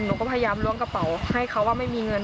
หนูก็พยายามล้วงกระเป๋าให้เขาว่าไม่มีเงิน